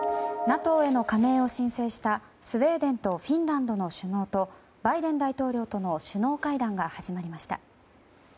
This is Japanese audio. ＮＡＴＯへの加盟を申請したスウェーデンとフィンランドの首脳とバイデン大統領との首脳会談が始まりました。